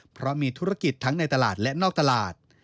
เพราะมีธุรกิจทั้งในตลาดและนอกตลาด